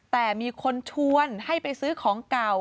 แต่มีคนชวนให้ไปซื้อของเก่า